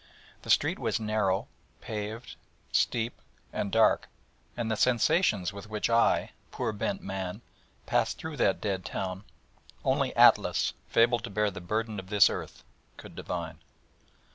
The street was narrow, pavered, steep, and dark; and the sensations with which I, poor bent man, passed through that dead town, only Atlas, fabled to bear the burden of this Earth, could divine.